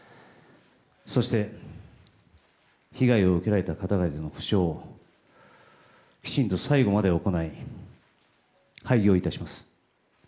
そして被害を受けられた方々の補償をきちんと最後まで行い廃業いたします。